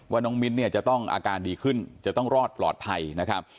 น้องมิ้นเนี่ยจะต้องอาการดีขึ้นจะต้องรอดปลอดภัยนะครับ